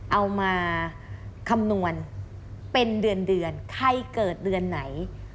เอามาคำนวณเป็นเดือนเดือนใครเกิดเดือนไหน